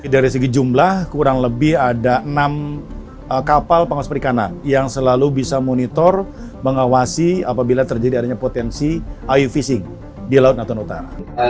dari segi jumlah kurang lebih ada enam kapal pengawas perikanan yang selalu bisa monitor mengawasi apabila terjadi adanya potensi ayu fishing di laut natuna utara